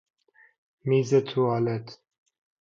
میز توالت